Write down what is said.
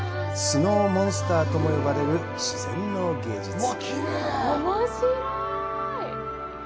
「スノーモンスター」とも呼ばれる自然の芸術。